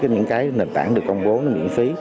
những nền tảng được công bố miễn phí